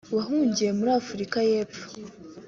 wahungiye muri Afurika y’Epfo